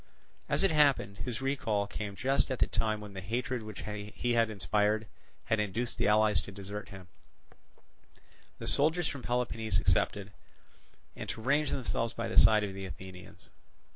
As it happened, his recall came just at the time when the hatred which he had inspired had induced the allies to desert him, the soldiers from Peloponnese excepted, and to range themselves by the side of the Athenians.